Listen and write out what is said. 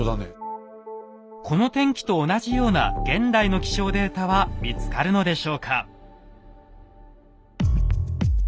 この天気と同じような現代の気象データは見つかるのでしょうか？